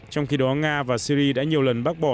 trong khi đó nga và syri đã nhiều lần bác bỏ